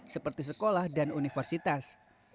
seperti sekolah dan universitas